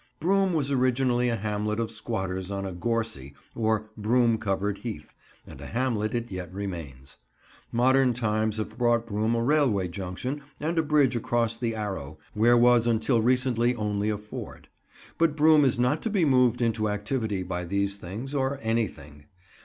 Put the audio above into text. Broom was originally a hamlet of squatters on a gorsy, or broom covered heath, and a hamlet it yet remains. Modern times have brought Broom a railway junction and a bridge across the Arrow, where was until recently only a ford; but Broom is not to be moved into activity by these things, or anything.